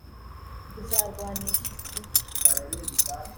uzarwanisha iki